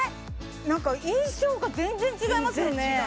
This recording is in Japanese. なんか印象が全然違いますよね